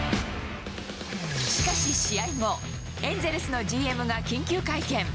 しかし試合後、エンゼルスのＧＭが緊急会見。